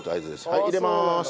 はい入れます。